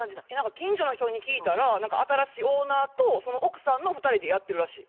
近所の人に聞いたら新しいオーナーとその奥さんの２人でやってるらしい。